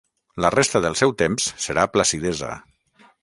La resta del seu temps serà placidesa.